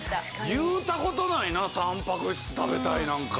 言うたことないなタンパク質食べたいなんか。